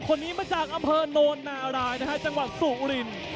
คนนี้มาจากอำเภอโน่นนาลายจังหวัดสุริน